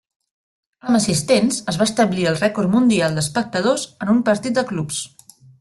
Amb assistents, es va establir el rècord mundial d'espectadors en un partit de clubs.